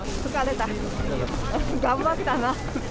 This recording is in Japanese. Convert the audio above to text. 頑張ったな。